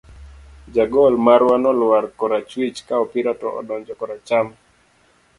Jagol marwa nolwar korachwich, ka opira to odonjo gi koracham.